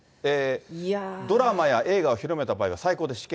ドラマや映画を広めた場合は最高で死刑。